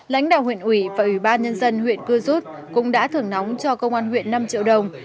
lãnh đạo huyện ủy và ủy ban nhân dân huyện cư rút cũng đã thưởng nóng cho công an huyện năm triệu đồng